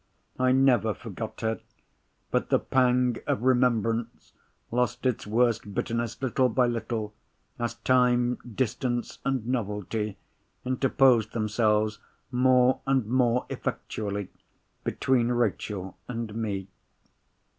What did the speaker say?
I never forgot her; but the pang of remembrance lost its worst bitterness, little by little, as time, distance, and novelty interposed themselves more and more effectually between Rachel and me.